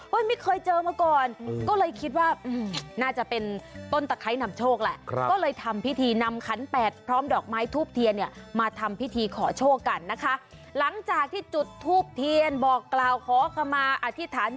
เฮ้ยไม่เคยเจอมาก่อนก็เลยคิดว่าน่าจะเป็นต้นตะไคร้นำโชคแหละ